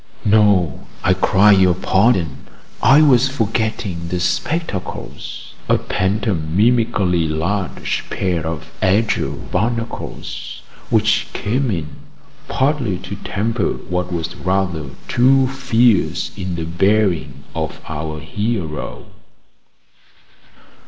No, I cry your pardon, I was forgetting the spectacles a pantomimically large pair of azure barnacles, which came in partly to temper what was rather too fierce in the bearing of our hero.